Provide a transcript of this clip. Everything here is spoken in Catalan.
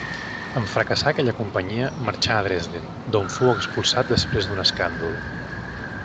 En fracassar aquella companyia, marxà a Dresden, d'on fou expulsat després d'un escàndol.